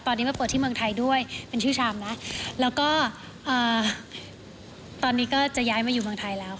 ตอนนี้มาเปิดที่เมืองไทยด้วยเป็นชื่อชามแล้วแล้วก็ตอนนี้ก็จะย้ายมาอยู่เมืองไทยแล้วค่ะ